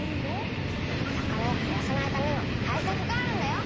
魚を減らさないための対さくがあるんだよ。